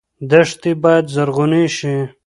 دښتې باید زرغونې شي.